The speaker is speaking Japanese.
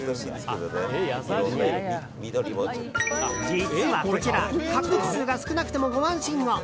実はこちら獲得数が少なくてもご安心を。